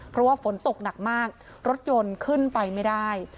เพราะว่าฝนตกหนักมากรถยนต์ขึ้นไปไม่ได้